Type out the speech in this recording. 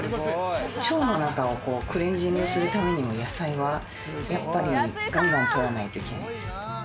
腸の中をクレンジングするために、野菜はやっぱりガンガン取らないといけないです。